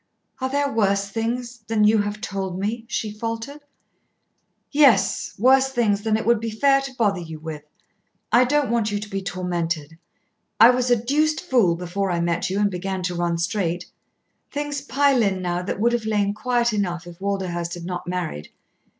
"Are there worse things than you have told me?" she faltered. "Yes, worse things than it would be fair to bother you with. I don't want you to be tormented. I was a deuced fool before I met you and began to run straight. Things pile in now that would have lain quiet enough if Walderhurst had not married.